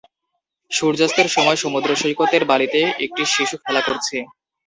সূর্যাস্তের সময় সমুদ্র সৈকতের বালিতে একটি শিশু খেলা করছে।